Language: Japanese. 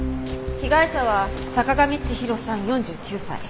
被害者は坂上千尋さん４９歳。